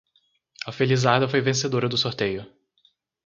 A felizarda foi vencedora do sorteio